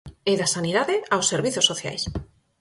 E, da sanidade, aos servizos sociais.